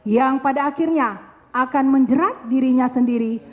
yang pada akhirnya akan menjerat dirinya sendiri